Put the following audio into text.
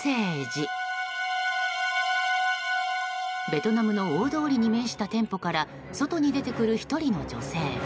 ベトナムの大通りに面した店舗から外に出てくる１人の女性。